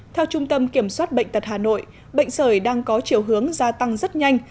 theo trung tâm kiểm soát bệnh tật hà nội bệnh sởi đang có chiều hướng gia tăng rất nhanh